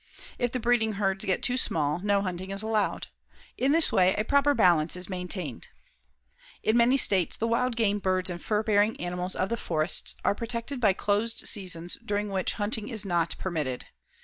If the breeding herds get too small, no hunting is allowed. In this way, a proper balance is maintained. In many states the wild game birds and fur bearing animals of the forests are protected by closed seasons during which hunting is not permitted.